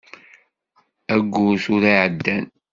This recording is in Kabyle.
Ayyur tura i iɛeddan.